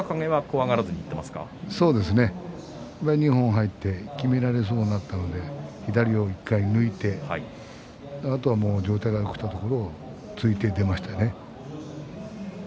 二本入ってきめられそうになったので左を１回、抜いてあとは上体が起きたところを突いて出ましたね。